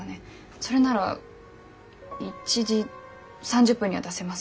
それなら１時３０分には出せます。